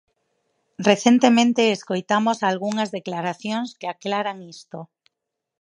Recentemente escoitamos algunhas declaracións que aclaran isto.